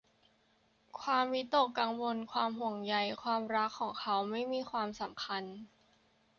ความวิตกกังวล ความห่วงใย ความรักของเขาไม่มีความสำคัญ